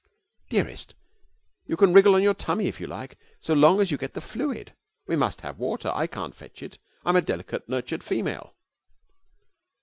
'Dearest, you can wriggle on your tummy, if you like, so long as you get the fluid. We must have water. I can't fetch it. I'm a delicately nurtured female.'